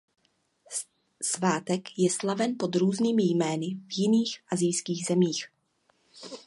Svátek je slaven pod různými jmény v jiných asijských zemích.